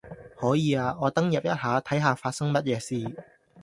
可以啊，我登入一下睇下發生乜嘢事